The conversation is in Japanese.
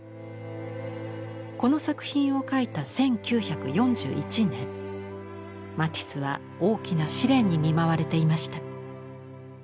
この作品を描いた１９４１年マティスは大きな試練に見舞われていました。